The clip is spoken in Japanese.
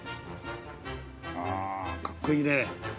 ああかっこいいね。